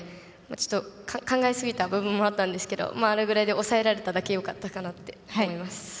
ちょっと考えすぎた部分もあったんですけどあれぐらいで抑えられただけよかったなと思います。